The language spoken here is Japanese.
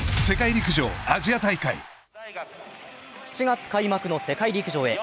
７月開幕の世界陸上へ。